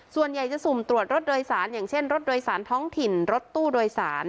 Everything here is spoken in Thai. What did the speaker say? ส่วนใหญ่จะสุ่มตรวจรถโดยสารอย่างเช่นรถโดยสารท้องถิ่นรถตู้โดยสาร